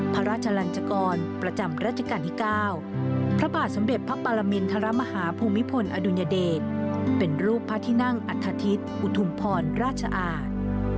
พระราชลันจกรประจำรัชกาลที่๙พระบาทสมเด็จพระปรมินทรมาฮาภูมิพลอดุญเดชเป็นรูปพระที่นั่งอัฐทิศอุทุมพรราชอาจ